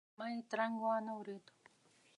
ما یې ترنګ وانه ورېد.